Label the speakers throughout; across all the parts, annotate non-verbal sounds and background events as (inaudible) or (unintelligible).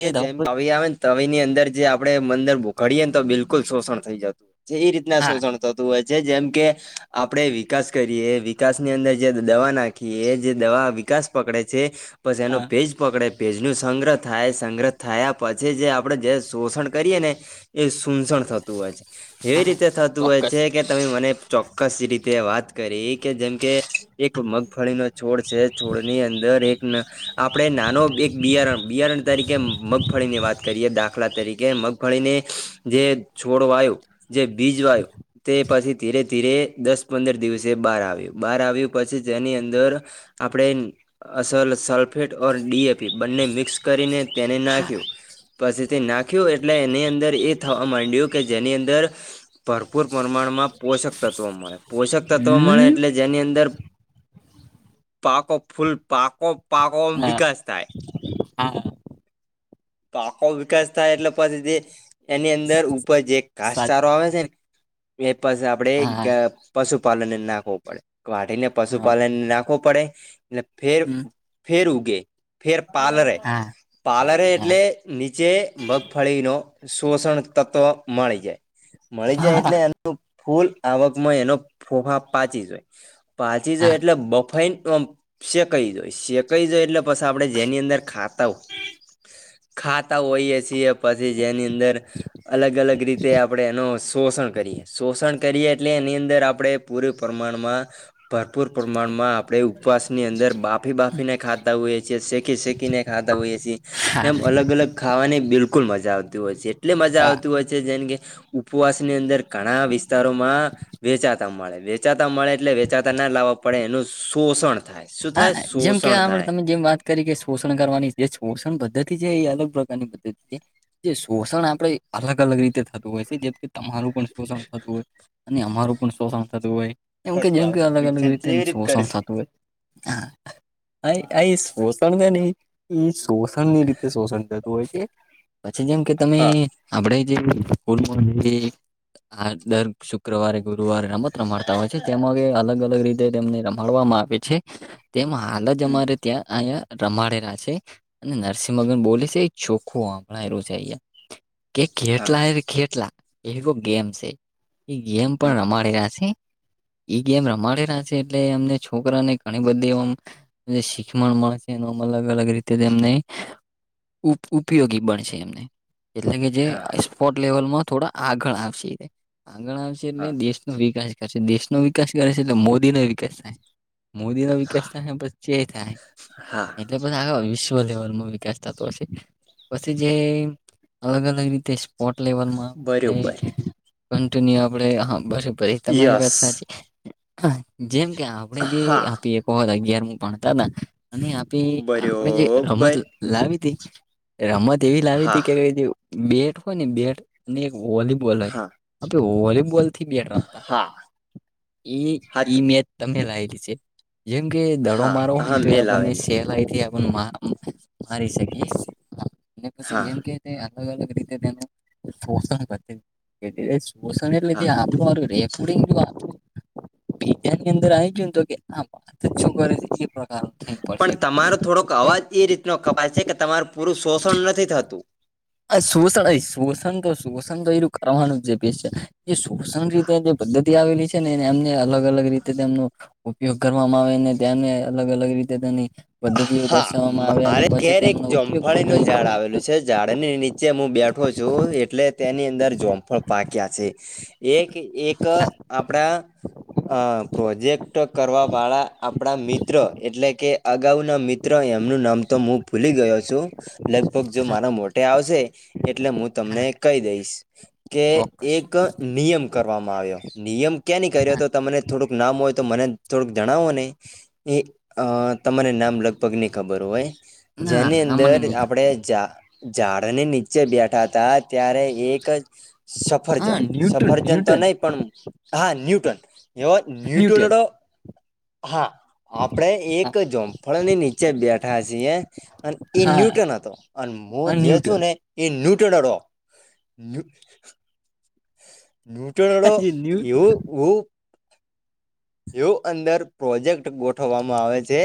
Speaker 1: એ
Speaker 2: કે જેમ
Speaker 1: દવા
Speaker 2: કવી આવેન. તો એવ એની અંદર જે આપડે મંદર ભોખડીયે તો બિલકુલ શોષણ થઈ જતું છે એ રીતના
Speaker 1: હા
Speaker 2: શોષણ થતું હોય છે જેમ કે આપડે વિકાસ કરીએ વિકાસ ની અંદર જે દવા ના ખી યે કે એ જે દવા વિકાસ પકડે છે પછી એનો
Speaker 1: હા
Speaker 2: ભેજ પકડે ભેજ નુ સંગ્રહ થાય સંગ્રહ થયા પછી જે આપણે જે શોષણ કરીએ ને એ સૂનસણ થતું હોય છે એવી
Speaker 1: હા
Speaker 2: રીતે થતું હોય
Speaker 1: ચોક્કસ
Speaker 2: છે કે તમે મને ચોક્કસ રીતે વાત કરી કે જેમ કે એક મગફળીનો છોડ છે છોડની અંદ દર એક આપડે નાનો એક બિયારણ બિયારણ તરીકે મગફળી ની વાત કરીએ દાખલા તરીકે મગફળી ને જે છોડ વાયું જે બીજ વાયુ તે પછી ધીરે ધીરે દસ પંદર દિવસે બહાર આવ્યું બહાર આવ્યું પછી જેની અંદર આપડે અસલ સલ્ ફેટ ઔર ડીએપી બંને મિક્સ કરીને તેને
Speaker 1: હા
Speaker 2: નાખ્યું પછી તે નાખ્યું એટલે એને અન અંદર એ થવા માંડ્યું કે જેની અંદર ભરપૂર પ્રમાણમાં પોષક તત્વો મળે પોષક તત્વો મળે
Speaker 1: હમ
Speaker 2: એટલે જેની અંદર પાકો ફૂલ પાકો પાકો
Speaker 1: હા
Speaker 2: વિકાસ થાય
Speaker 1: હા
Speaker 2: પાકો વિકાસ થાય એટલે પછી જે એની અંદર ઉપર જે
Speaker 1: સાચ
Speaker 2: ઘાસચારો આવે છે ને એ પાછી આપડે
Speaker 1: હા હા
Speaker 2: પશુપાલનને નાખવો પડે વાઢીને
Speaker 1: હા
Speaker 2: પશુપાલનને નાખવો પડેએટલે ફેર ફેર ઉગે ફેર પાલરે
Speaker 1: હા હા
Speaker 2: પાલરે એટલે નીચે મગફળી નુ શોષણ તત્વ મળી જાય મળી જાય
Speaker 1: હા
Speaker 2: એટલે એનું ફૂલ આવકમાં એનો ફોફા પાચી જોય પાચી
Speaker 1: હા
Speaker 2: જોય એટલે બફાઈ શેકાઈ જોય શે કઈ એટલે પછ આપડે જેની અંદર ખાતા હો ખાતા હોઈએ છીએ પછી જેની અંદર અલગ અલગ રીતે આપણે એનું શોષણ કરીએ શોષણ કરીએ એટલે એની અંદર આપણે પૂર પ્રમાણમાં ભરપૂર પ્રમાણમાં આપણે ઉપવાસ ની અંદર બાફી બાફીને ખાતા હોઈએ છીએ શેકી શેકીને ખાતા હોઈએ છી એમ અલગ અલગ ખાવાની બિલકુલ મજા આવતી હોય છે એટલી મજા
Speaker 1: હા
Speaker 2: આવતી હોય છે જેમ કે ઉપવાસ ની અંદર ઘણા વિસ્તારોમાં વેચા મળે વેચાતા મળે એટલે વેચાતા ના લાવવા પડે એનું શોષણ થાય શું
Speaker 1: હા
Speaker 2: થાય
Speaker 1: જેમ કેવા
Speaker 2: શોષણ
Speaker 1: આપડ
Speaker 2: થાય
Speaker 1: તમે જેમ વાત તરીકે શોષણ કરવાની જે શોષણ પદ્ધતિ છે એ અલગ પ્રકારની પદ્ધતિ છે જે શોષણ આપડણે અલગ અલગ રીતે થતું હોય છે જેમ તમારું પણ શોષણ થતું હોય અને અમારું પણ શોષણ થતું હોય એમ કે જેમ કે અલગ અલગ
Speaker 2: ટ્રાન્સક્રિપ્શન
Speaker 1: રીતે
Speaker 2: કેવી રીત
Speaker 1: શોષણ
Speaker 2: કરીશ
Speaker 1: થતું હોય હ આ એ શોષણ છે નહી એ શોષણ ની રીતે શોષણ થ હોય છે પછી જેમ કે તમે
Speaker 2: હા
Speaker 1: આપણે જે સ્કૂલ જે હા દર શુક્રવારે ગુરુવારે રમત રમાડતા હોય છે તેમાં અલગ અલગ રીતે તેમને મળવામાં આવે છે તેમ હાલ જ
Speaker 2: હમ
Speaker 1: અમારે ત્યાં અહંયા રમાડેલા છે અને નરસિંહ મગન બોલે છે ચોખું હમણાં એ રજયા કે
Speaker 2: હા
Speaker 1: કેેટલા હ ખેટલા એવ ગેમ છે એ ગેમ
Speaker 2: હમ
Speaker 1: પણ રમાડીલા છે એ ગેમ રમાડી રહ છે એટલે અમને છોકરાને ઘણી બધી એમ શિકખષણ મળ છે એ અલગ અલગ રીતે તેમને ઉપ ઉપયોગી બનશે એમને એટલે કે જે
Speaker 2: હા
Speaker 1: સ્પોટ લેવલમાં થોડા આગળ આવશે આગળ આવશે એટલે
Speaker 2: હા
Speaker 1: દેશનોો વિકાસ કર છે દેશનોો વિકાસ કરે છે એટલે મોદી નો વિકાસ થાય મોદી નો વિકાસ
Speaker 2: હા
Speaker 1: થાય પછ ચે થાય
Speaker 2: હા
Speaker 1: એટલે બછ આ વિશ્વ લેવલમાં વિકાસ થતો હશે પછી જે અલગ અલગ રીતે ટ લેવલમાં
Speaker 2: બરોબર
Speaker 1: કિન્યુ આપડે ભ તમારી
Speaker 2: યસ
Speaker 1: વાત સાચી જેમ કે આપણે જે
Speaker 2: હા
Speaker 1: એક હતા અગિયારમું પાણતા હતા અને આપી આપણે જે રમત
Speaker 2: બરોબર
Speaker 1: લાવી તી રમત એવી લાવી તી
Speaker 2: હા
Speaker 1: કે જે બેટ હોય ને બેટ અને એક વોલીબોલ હોય
Speaker 2: હા
Speaker 1: હ વોલીબોલ બેમ
Speaker 2: હા હાચું
Speaker 1: મેચ તમે લેલી છે જેમ કે દડો
Speaker 2: હા
Speaker 1: મારો હોય
Speaker 2: હા
Speaker 1: ને તો
Speaker 2: મેલ
Speaker 1: આપણને
Speaker 2: આવેલી
Speaker 1: સહેલાઈ થી આપને મારી શકીશ અને પછી
Speaker 2: હા
Speaker 1: જેમ કે તે અલગ અલગ રીતે તેનું પોષણ કર એ શષ એટલે
Speaker 2: હા
Speaker 1: આ રેખડી બીજની અંદર આવી જોય તો કે આ છોકરે પ્ર થ
Speaker 2: પણ તમારો થોડોક અવાજ એ રીતનો કપાય છે કે તમારું પૂરું શોષણ નથી થતું
Speaker 1: શોષણ શોષણ તો શોષણ તો એનુંું કરવાનું જ બે છે શોષણ રીતે પદ્ધતિ આવેલી છે નેને એમને અલગ અલગ રીતે તેમનું ઉપયોગ કરવામાં આવે અને ત્યાંને અલગ અલગ રીતે તેની પદ્ધતિઓ
Speaker 2: હા
Speaker 1: દર્શાવવામાં આવે અને
Speaker 2: મારે
Speaker 1: પછી
Speaker 2: ઘેર એક
Speaker 1: તેમનો ઉપયોગ પણ
Speaker 2: જોમફળીનું
Speaker 1: રહી હા
Speaker 2: ઝાડ ની નીચે હું બેઠો છું એટલે તેની અંદર જોમફળ પાક્યા છે એક એક
Speaker 1: હા
Speaker 2: આપણા અ પ્રોજેક્ટ કરવા વાળા આપણા મિત્ર એટલે કે અગાઉના મિત્ર એમનું નામ તો હું ભૂલી ગયો છું લગભગ જો મારા મોટે આવશે એટલે હું તમને
Speaker 1: હા
Speaker 2: કહી દઈશ કે
Speaker 1: ચોક્કસ
Speaker 2: એક નિયમ કરવામાં આવ્યો નિયમ ક્યાં નની કર્યો
Speaker 1: હા
Speaker 2: તો તમને થોડુંક નામ હોય તો મને થોડુંક જણાવો નને એ અ તમાને નામ લખ પગની ખબર હોય
Speaker 1: ના
Speaker 2: જેની
Speaker 1: આ મને
Speaker 2: અંદર
Speaker 1: નહી ખબર
Speaker 2: આપણેે જા ઝાડ ને નીચે બેઠા હતાા ત્યારે એક જ
Speaker 1: હા
Speaker 2: સફરજન,
Speaker 1: ન્યૂટન
Speaker 2: સફરજન તો
Speaker 1: ન્યૂટન
Speaker 2: નહી પણ હા ન્યૂટન એવો ન્યુટુનો
Speaker 1: ન્યૂટન
Speaker 2: હા આપણે એક
Speaker 1: હા
Speaker 2: જોમફળની નીચે નીચે બેઠા છીએ, અને એ
Speaker 1: હા
Speaker 2: ન્યૂટન હતો અને હું
Speaker 1: હા
Speaker 2: જે છું
Speaker 1: ન્યૂટન
Speaker 2: ને એ ન્યૂટનડો ન્યૂટનડ
Speaker 1: જે ન્યૂ
Speaker 2: એવું હ જેવુ અંદર પ્રોજેક્ટ ગોઠવવામાં આવે છે.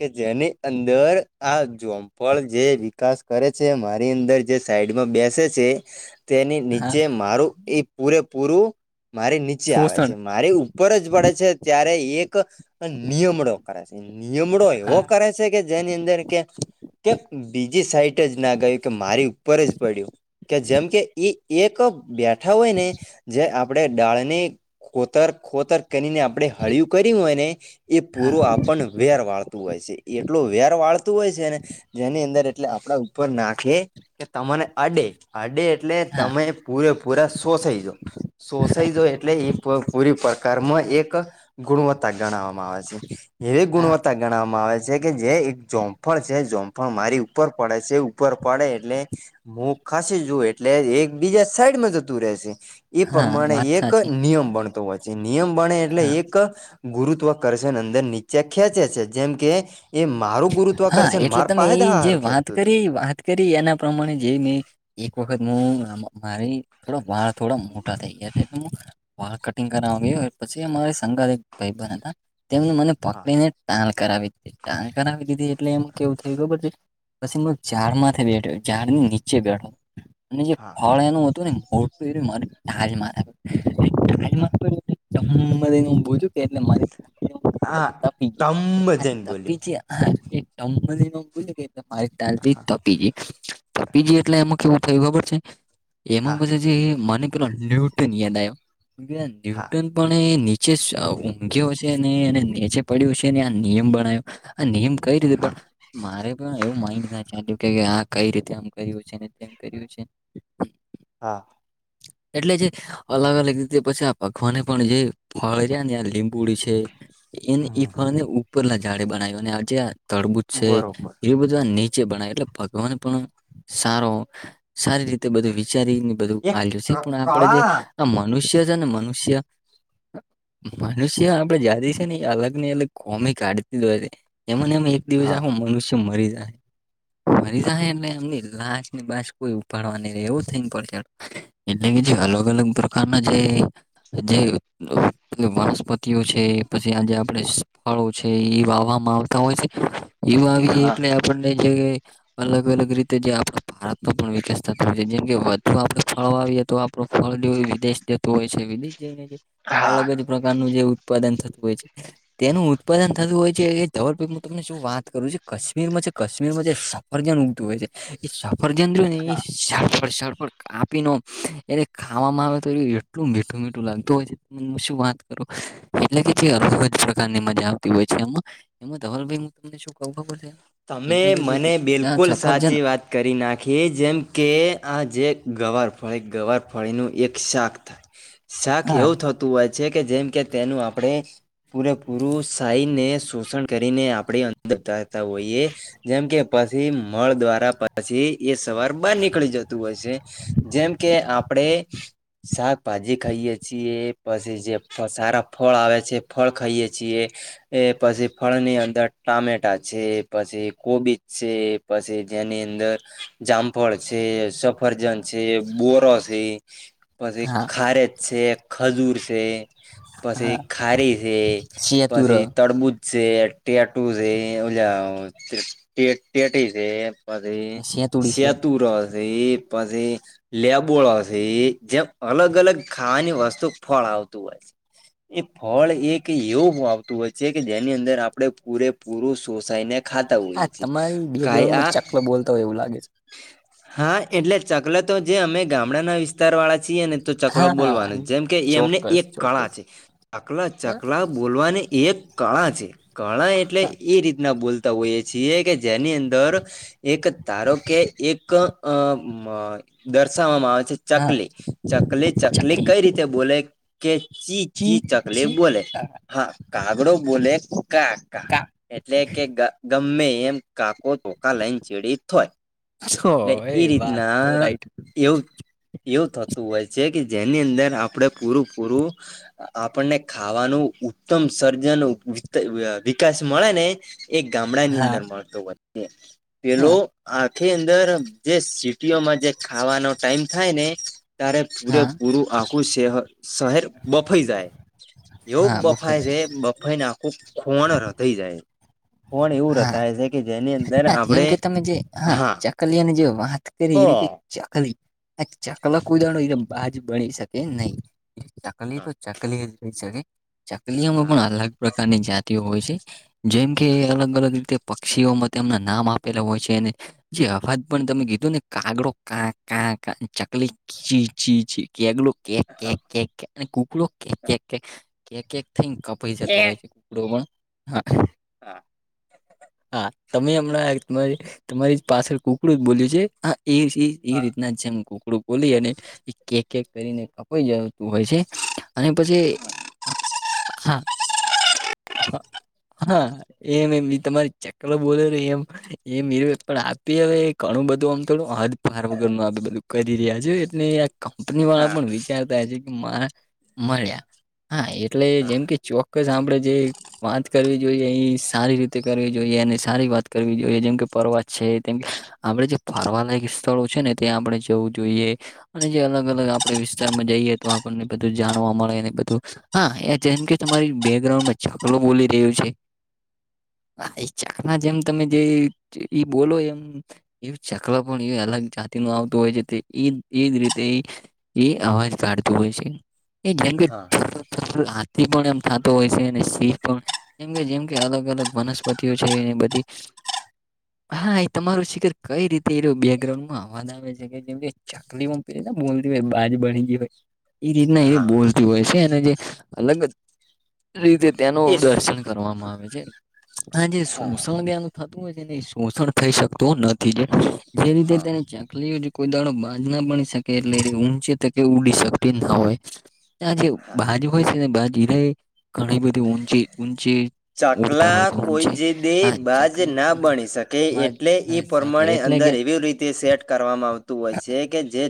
Speaker 2: કે જેની અંદર આ મપળ જે વિકાસ કરે છે. મારી અંદર જે સાઈડમાં બેસે છે. તેની
Speaker 1: હા
Speaker 2: નીચે મારું એ પૂરેપૂરું મારે નીચે આવે
Speaker 1: શોષણ
Speaker 2: છે. મારે ઉપર જ પડે છે. ત્યારે એક નિયમડો કરે છે નિયમડો એવો
Speaker 1: હા
Speaker 2: કરે. છે કે જેની અંદર કે કે બીજી સાઈટ જ ના ગયું કે મારી ઉપર જ પડ્યું. કે જેમ કે ઈ એક બેઠા હોય ને જે આપણે ડાડની ખોતર ખોતર કરીને આપણે હળિયું કર્યું હોય ને એ
Speaker 1: હા
Speaker 2: પૂરું આપણ વેર વાળતું હોય છે. એટલો વેર વાળતું હોય છે ને જેની અંદર એટલે આપડા ઉપર નાખી કે તમને અડે અડે એટલે
Speaker 1: હા
Speaker 2: તમે પૂરેપૂરા શોષાઈ જ શોષાઈ જો એટલે પૂરી પર કર્મ એક ગુણવત્તા ગણવામાં આવે છે. એવી
Speaker 1: હા
Speaker 2: ગુણવત્તા ગણવામાં આવે છે કે જે એક જોમફળ છે. જોમફળ મારી ઉપર પડે છે ઉપર પડે એટલે મુ ખસ જઉ એટલે એક બીજા સાઈડ માં જતું રેશે એ
Speaker 1: હા
Speaker 2: પ્રમાણે
Speaker 1: વાત
Speaker 2: એક
Speaker 1: સાચી
Speaker 2: નિયમ બણતો હોય છે નિયમ બણે એટલે
Speaker 1: હા
Speaker 2: એક ગુરુત્વ કરશે અંદર નીચે ખેંચે છે. જેમ કે એ મારું
Speaker 1: હા,
Speaker 2: ગુરુત્વાકર્ષણ માર પાસે હા હારું ખેંચતું હતું.
Speaker 1: યદી એના પ્રમાણે જે મે એક વખત મુ મારી વાળ થોડા મોટા થઈ ગયા મુ વાળ કટિંગ કર ગયો પછી અમારી સંગાથ એક ભાઈબંધ હતા તેમને મને
Speaker 2: હા
Speaker 1: પત્નીને ટાલ કરાવી દીધી ટાાલ કરાવી દીધી તાલ એટલે એમ કેવું થયું કે ખબર છે. પછી એ
Speaker 2: હા
Speaker 1: ઝાડમાંથી બેઠ્યો ઝાડ ની નીચે બેઠો અને જે
Speaker 2: હા
Speaker 1: ફળ એનું હતું ને મો (unintelligible) દમ દયનેહુ
Speaker 2: હા
Speaker 1: પુછુકે કેવીરીતે મારીયુ
Speaker 2: હા તબ
Speaker 1: હા,
Speaker 2: જન બન્યો.
Speaker 1: તપીજી હા એ દમ દય કેહુ પુછુ કેતાલપી કપિલ ગઇ તો પતીગયું એટલે એમાં કેવું થયું ખબર છે એમાં
Speaker 2: હા
Speaker 1: મજા જે મને ન્યૂટન યાદ આવો
Speaker 2: હા
Speaker 1: ન્યૂટન પણ એ નીચે ઊંઘ્યો છે. અને નીચે પડ્યું છે. આ નિયમ બનાયો આ નેમ કઈ રીતે
Speaker 2: હા
Speaker 1: પણ મારે પણ એવું માઇડ ના ચાલ્યું કે આ કઈ રીતે આમ કર્યું છે. તેમ કર્યું છે.
Speaker 2: હા
Speaker 1: (inaudible) એટલે જે અલગ અલગ રીતે પછી આ પખવાને પણ જે ફળ છે, ને ત્યાં લીંબુડી છે. એને ઈફળને ઉપરલા ઝાડે બનાવી અને આજે તડબુજ છે
Speaker 2: બરોબર
Speaker 1: એ બધું નીચે બણાય એટલે ભગવાન પણ સારો સારી રીતે બધું વિચારી બધું
Speaker 2: એક
Speaker 1: આલ્યુ છે. પણ આપણે જે
Speaker 2: કળા
Speaker 1: આ મનુષ્ય છે ને મનુષ્ય મનુષ્ય આપડે જાતિ છે. ને એ અલગ ને અલગ ખોમી કાઢતી જ હોય છે. એમને એ એક દિવસ
Speaker 2: હા
Speaker 1: આખો મનુષ્ય મરી જાય. મરી ને એમને એમ લાશ ની બાસ કોઈ ઉપાડવા ની રહે એવું થઈને પડી રહે. એટલે કે જે અલગ અલગ પ્રકારના જે જે વનસ્પતિઓ છે. પછી આજે આપડે ફળો છે એ વાવામાં આવ તો હોય છે, યું એટલે આપણને જે અલગ અલગ રીતે જે આપ ભારતનો પણ વિકાસ થતો હોય છે જેમ કે વધુ આપડે ફળો આવીએ તો. વિદેશ જતું હોય છે વિદેશ જઈને જાય
Speaker 2: હા.
Speaker 1: અલગ જ. પ્રકારનું જે ઉત્પાદન થતું હોય છે તેનું ઉત્પાદન થતું હોય છે. દબરાઈ હું તમને શું વાત કરું છું કશમીરમાં છે કા્મરમાં જે સફરજન ઉગતું હોય છે. એ સફર દ અન્ુ નની સફ સળફડ. આપીને એને ખાવામાં આવે તો એ એટલું મીઠું મીઠું લાગતું હોય છે. શું વાત કરું એટલે કે અલગ પ્રકારની મજા આવતી હોય છે એમાં. એમાં ધવલભાઈ (unintelligible)
Speaker 2: તમે
Speaker 1: એટલે કે જે
Speaker 2: મને
Speaker 1: ત્યાં
Speaker 2: બિલકુલ
Speaker 1: સફરજન
Speaker 2: સાચી વાત કરી નાખી જેમ કે આ જે ગવાર ફળી ગવાર ફળીનું એક શાક થાય
Speaker 1: (inaudible)
Speaker 2: શાક એવું થતું હોય છે કે જેમ કે તેનું આપણે પૂરેપૂરું સાહીને શોષણ કરીને આપડી અંદરતા હોય જેમ કે પછી મળ દ્વારા પછી એ સવાર બહાર નીકળી જતું હોય છે જેમ કે આપડે શાકભાજી ખાઈએ છીએ પછી જે સારા ફળ આવે છે ફળ ખાઈએ છીએ. એ પછી ફળની અંદર ટામેટા છે. પછી કોબીજ છે પછી જેની અંદર જામફળ છે સફરજન છે બોરો છે. પછી
Speaker 1: હા
Speaker 2: ખારેજ છે ખજૂર છે. પછી
Speaker 1: હા
Speaker 2: ખારી છે
Speaker 1: સેતુર
Speaker 2: પછી તડબુજ છે ટેટૂ છે ટેટી છે. પછી
Speaker 1: સેતુડી છે
Speaker 2: સેતૂર સે પછી લેબોળો છે જેમ અલગ અલગ ખાવાની વસ્તુ ફળ આવતું હોય છે.
Speaker 1: (inaudible)
Speaker 2: એ ફળ એક એવું આવતું હોય છે કે જેની અંદર આપણે પૂરેપૂરું સોસાઈને
Speaker 1: હા તમારી બેકગ્રાઉન્ડમાં ચકલો બોલતા હોય એવું લાગે છે
Speaker 2: (unintelligible) હા એટલે ચકલ તો જે અમે ગામડાના વિસ્તાર વાળા (unintelligible) ને તો ચકલા બોલવાની
Speaker 1: હા
Speaker 2: જેમ કે એમને
Speaker 1: ચોક્કસ
Speaker 2: એક કળા
Speaker 1: ચોક્કસ
Speaker 2: છે ચકલા ચકલા બોલવાની એક કળા છે કળા એટલે એ રીતના બોલતા હોઈએ છીએ કે જેની અંદર એક તારો કે એક અ દર્શાવવામાં આવે છે.
Speaker 1: હા
Speaker 2: ચકલી ચકલી ચકલી કઈ રીતે બોલે કે ચી ચી ચકલી એ બોલે હા કાગડો બોલે કા કા એટલે કે તમે એમ કાકો ચોખા લઈને ચેડી જાય
Speaker 1: કાચો
Speaker 2: એટલે એ
Speaker 1: વાત
Speaker 2: રીતના
Speaker 1: તો રાઈટ
Speaker 2: એવું એવું થતું હોય છે કે જેની અંદર આપડે પૂરું પૂરું આપણને ખાવાનું ઉત્તમ સર્જન વિકાસ મળે ને (unintelligible) ગામડા ની
Speaker 1: હા
Speaker 2: અંદર મળતો પેલો
Speaker 1: હા
Speaker 2: આખી અંદર જે (unintelligible) જે ખાવાનો ટાઈમ થાય ને ત્યારે
Speaker 1: હા
Speaker 2: પૂરેપૂરું આખું શહેર શહેર બફઈ જાય એવ
Speaker 1: હા
Speaker 2: બફાય
Speaker 1: બફાઈ છે
Speaker 2: રે બ ફાઈ ને આખું ખોણ થઈ જાય. ખોણ એવું
Speaker 1: હા
Speaker 2: રતાય છે કે જેની અંદર
Speaker 1: હા જેમ
Speaker 2: આપણે
Speaker 1: કે તમે જે હા ચકલિયાની જે વાત
Speaker 2: હ
Speaker 1: કરી એ રીતે ચકલી આ ચકલા કોઈ દાડો બાજ બણી શકે નહી. ચકલી
Speaker 2: હા
Speaker 1: તો ચકલી જ રહી શકે ચકલીમાં
Speaker 2: હા હા
Speaker 1: પણ અલગ પ્રકારની જાતિઓ હોય છે જેમ કે અલગ અલગ રીતે પક્ષીઓમાં તેમના નામ આપેલા હોય છે. જે અવાજ પણ તમે કીધો ને કાગડો કા કા ક ચકલી. છી છી છી કેટલું કે કે કેને કૂકલો કે કે કે કે (unintelligible) પાઈ જતો
Speaker 2: કે
Speaker 1: હોય છે કુકલો પણ હા
Speaker 2: હા.
Speaker 1: હા તમે હમણાં તમારી પાછળ કુકડું જ બોલ્યું છે હ એ એજ ઈ એ
Speaker 2: હા
Speaker 1: રીતના જેમ કુકડું બોલી અને એ કે કેક કરીને કપાઈ જતું હોય છે. અને પછી હા. હા એમ એમ તમારી ચકલો બોલે રો એમ એમ એરું પણ આપી હવે ઘણું બધું આમ થોડું હદ પાર વગર નું આપ બધું કરી રહ્યા છ, એટલે કંપની વાળા પણ
Speaker 2: હા
Speaker 1: વિચારતા છે, કે મળ્યા હા એટલે જેમ કે ચો કે સાંભળે જે વાત કરવી જોઈએ એ સારી રીતે કરવી જોઈએ અને સારી વાત કરવી જોઈએ જેમ કે પર્વત છે, કેમ કે આપણે જે ફરવાલાયક સ્થળો છેને, ત્યાં આપણે જવું જોઈએ. અને જે અલગ અલગ આપણેે વિસ્તારમાં જઈએ, તો આપણને બધું જાણવા મળે ને બધુ હા એ જેમ કે તમારી બેકગ્રાઉન્ડમાં ચકલો બોલી રહ્યું છે. હા, ચક ના જેમ તમે જે એ બોલો એમ એ ચકલો પણ એ અલગ જાતિ નું આવતું હોય છે, એ એજ રીતે એ એ અવાજ કાઢતું હોય છે એ જેમ કે
Speaker 2: હા
Speaker 1: હાથી, પણ એમ થાતો હોય છેને ઈ પણ જેમ કે અલગ અલગ વનસ્પતિઓ છે, બધી હા એ તમારું શિખર કઈ રીતે એ બેકગ્રાઉન્ડમાં અવાજ આવે છે, કે જેમ કે ચકલી પી ને બોલતી હો બાજ બની ગઈ હોય એ રીતના એ
Speaker 2: હા
Speaker 1: બોલ તી હોય છેને, જે અલગ રીતે તેનું
Speaker 2: ઈસ
Speaker 1: દર્શન કરવામાં આવે છે, આજ
Speaker 2: હા
Speaker 1: સુસણ દયા નુ થતું હોય છે શોષણ થઈ શકતું નથી જે રીતે
Speaker 2: હા
Speaker 1: તેને ચ કલી જે કોઈ દાડો બાજ ના બની શકે એટલે ઊંચે તકે ઉડી શકતી ના હોય. આજ
Speaker 2: હા
Speaker 1: બાાજ હોય છેને, બાજ ન ઘણી બધી ઊંચી-ઊંચી
Speaker 2: ચકલા કોઈ જે દે બાજ
Speaker 1: ચકલી
Speaker 2: ના બની શકે
Speaker 1: બાજ
Speaker 2: એટલે એ
Speaker 1: ના શકે
Speaker 2: પ્રમાણે
Speaker 1: એટલે કે
Speaker 2: અંદર એવી રીતે સેટ કરવામાં આવતું હોય છે, કે જે